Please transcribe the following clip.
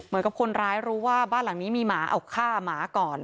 เหมือนกับคนร้ายรู้ว่าบ้านหลังนี้มีหมาเอาฆ่าหมาก่อน